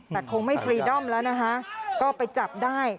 แต่คงไม่ฟรีดอมแล้วนะคะก็ไปจับได้